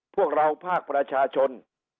พวกเราภาคประชาชน